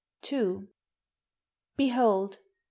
Behold!